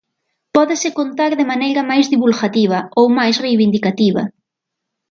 Pódese contar de maneira máis divulgativa, ou máis reivindicativa.